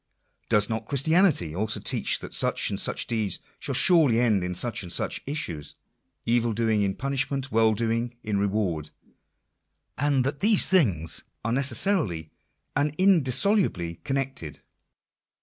Does not Christianity also teach that such and such deeds shall surely end in such and such issues — evil doing in punishment, well doing in reward — and that these things are necessarily and indissoluble connected